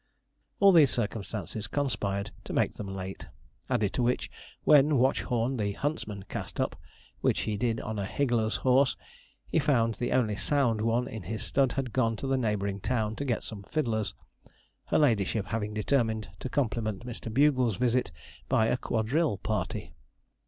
All these circumstances conspired to make them late; added to which, when Watchorn, the huntsman, cast up, which he did on a higgler's horse, he found the only sound one in his stud had gone to the neighbouring town to get some fiddlers her ladyship having determined to compliment Mr. Bugles' visit by a quadrille party.